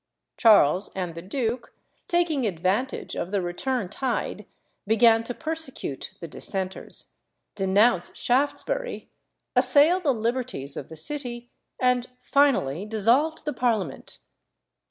Charles and the Duke, taking advantage of the return tide, began to persecute the Dissenters, denounce Shaftesbury, assail the liberties of the City, and finally dissolved the Parliament.